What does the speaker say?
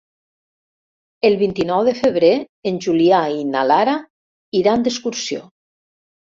El vint-i-nou de febrer en Julià i na Lara iran d'excursió.